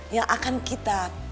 yang akan kita